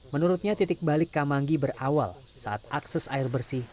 menurutnya titik balik kamanggi berawal saat akses air bersih